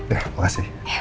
ya terima kasih